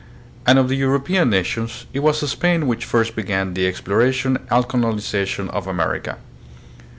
And of the European nations, it was Spain which first began the exploration and colonization of America.